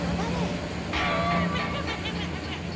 ヘムヘムヘムヘムヘムヘムヘム。